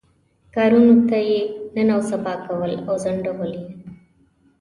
کارونو ته نن او سبا کول او ځنډول یې.